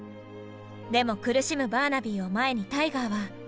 でも苦しむバーナビーを前にタイガーは。